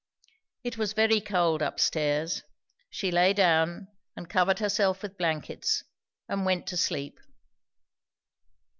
It was very cold up stairs. She lay down and covered herself with blankets and went to sleep.